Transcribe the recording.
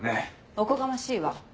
おこがましいわ。